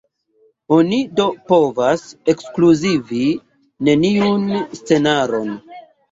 Oni do povas ekskluzivi neniun scenaron.